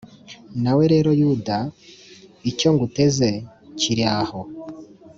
Nawe rero Yuda, icyo nguteze kiri aho,